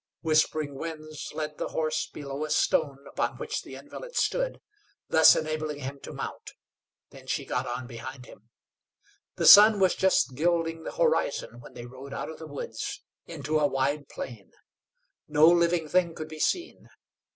Whispering Winds led the horse below a stone upon which the invalid stood, thus enabling him to mount. Then she got on behind him. The sun was just gilding the horizon when they rode out of the woods into a wide plain. No living thing could be seen.